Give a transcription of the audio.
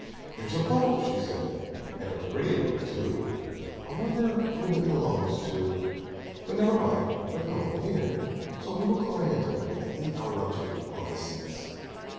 "Here's a boat!" she said. "And a pretty boat, too. I wonder whom it belongs to. But never mind, there's no one here; so we will climb into it and eat our luncheon on the seats."